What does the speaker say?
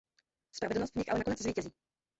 Spravedlnost v nich ale nakonec zvítězí.